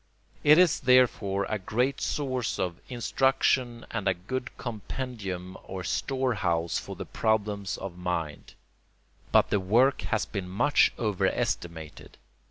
It is therefore a great source of instruction and a good compendium or store house for the problems of mind. But the work has been much overestimated.